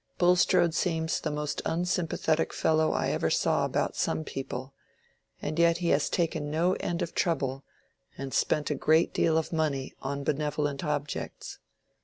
Bulstrode seems the most unsympathetic fellow I ever saw about some people, and yet he has taken no end of trouble, and spent a great deal of money, on benevolent objects.